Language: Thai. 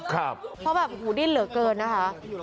เพราะแบบหูดิ้นเหลือเกินนะคะ